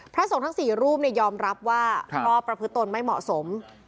พระสงฆ์ทั้ง๔รูปยอมรับว่าพ่อประพฤตนไม่เหมาะสม